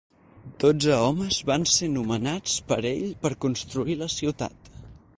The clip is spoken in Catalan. Dotze homes van ser nomenats per ell per construir la ciutat.